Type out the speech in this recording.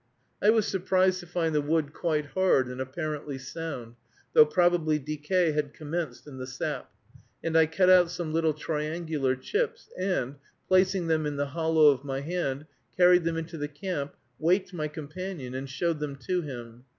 I was surprised to find the wood quite hard and apparently sound, though probably decay had commenced in the sap, and I cut out some little triangular chips, and, placing them in the hollow of my hand, carried them into the camp, waked my companion, and showed them to him.